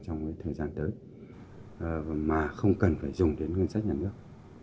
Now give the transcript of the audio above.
trong thời gian tới mà không cần phải dùng đến ngân sách nhà nước